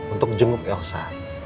untuk jenguk elsa